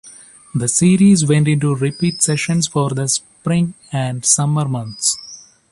The series went into repeat sessions for the spring and summer months.